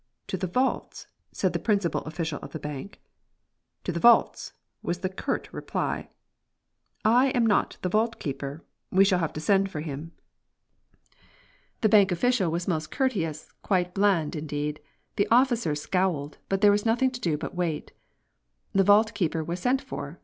"To the vaults?" said the principal official of the bank. "To the vaults," was the curt reply. "I am not the vault keeper. We shall have to send for him." The bank official was most courteous, quite bland, indeed. The officer scowled, but there was nothing to do but wait. The vault keeper was sent for.